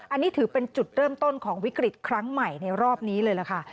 อันนี้ถือเป็นจุดเริ่มต้นของวิกฤตครั้งใหม่ในรอบนี้เลยล่ะค่ะ